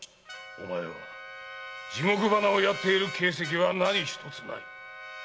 お前は地獄花をやっている形跡は何ひとつない。